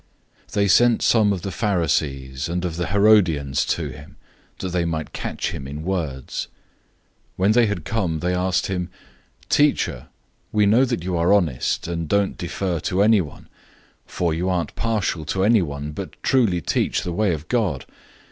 012:013 They sent some of the Pharisees and of the Herodians to him, that they might trap him with words. 012:014 When they had come, they asked him, "Teacher, we know that you are honest, and don't defer to anyone; for you aren't partial to anyone, but truly teach the way of God.